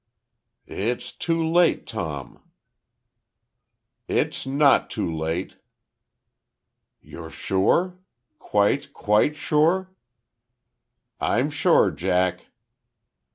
"It's too late, Tom!" "It's not too late!" "You're sure? Quite, quite sure?" "I'm sure, Jack!"